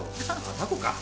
タコか